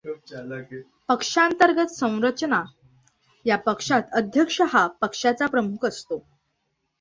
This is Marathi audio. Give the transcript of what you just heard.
पक्षांतर्गत संरचना या पक्षात अध्यक्ष हा पक्षाचा प्रमुख असतो.